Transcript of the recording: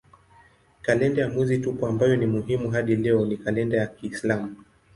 Kalenda ya mwezi tupu ambayo ni muhimu hadi leo ni kalenda ya kiislamu.